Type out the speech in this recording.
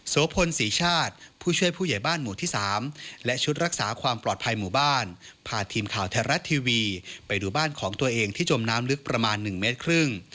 โสพลศรีชาติผู้ช่วยผู้ใหญ่บ้านหมู่ที่๓และชุดรักษาความปลอดภัยหมู่บ้านพาทีมข่าวไทยรัฐทีวีไปดูบ้านของตัวเองที่จมน้ำลึกประมาณ๑เมตรครึ่ง